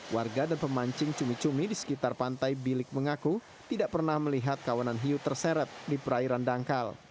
warga dan pemancing cumi cumi di sekitar pantai bilik mengaku tidak pernah melihat kawanan hiu terseret di perairan dangkal